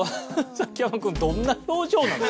崎山君どんな表情なの？